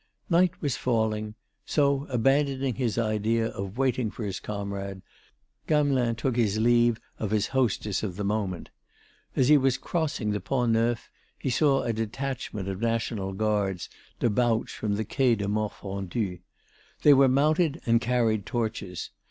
Night was falling; so abandoning his idea of waiting for his comrade, Gamelin took his leave of his hostess of the moment. As he was crossing the Pont Neuf, he saw a detachment of National Guards debouch from the Quai des Morfondus. They were mounted and carried torches.